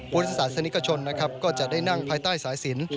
พุทธศาสนิกชลจะได้นั่งใต้สายศีล